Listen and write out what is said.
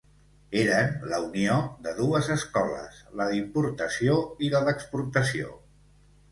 Eren la unió de dues escoles: la d'importació i la d'exportació